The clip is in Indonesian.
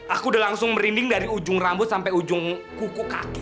aku udah langsung merinding dari ujung rambut sampai ujung kuku kaki